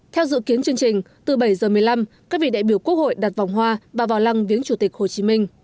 theo dự kiến chương trình từ bảy h một mươi năm các vị đại biểu quốc hội đặt vòng hoa và vào lăng viếng chủ tịch hồ chí minh